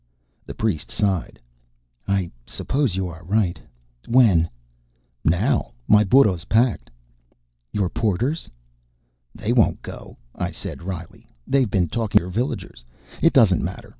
The priest sighed. "I suppose you are right. When " "Now. My burro's packed." "Your porters?" "They won't go," I said wryly. "They've been talking to your villagers. It doesn't matter.